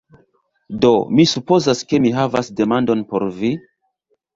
Do mi supozas ke mi havas demandon por vi: